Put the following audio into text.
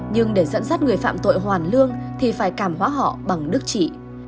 nhưng để dẫn dắt người phạm tội hoàn lương thì phải cảm hóa họ bằng đức trị